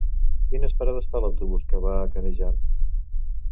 Quines parades fa l'autobús que va a Canejan?